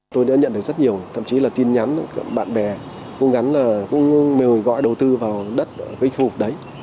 tôi đã nhận được rất nhiều thậm chí là tin nhắn bạn bè cũng gắn là cũng người gọi đầu tư vào đất cái khu vực đấy